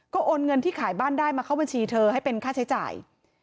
โอนเงินที่ขายบ้านได้มาเข้าบัญชีเธอให้เป็นค่าใช้จ่าย